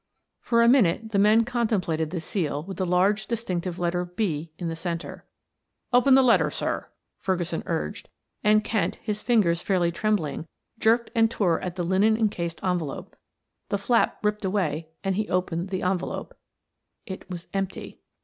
For a minute the men contemplated the seal with the large distinctive letter "B" in the center. "Open the letter, sir," Ferguson urged and Kent, his fingers fairly trembling, jerked and tore at the linen incased envelope; the flap ripped away and he opened the envelope it was empty.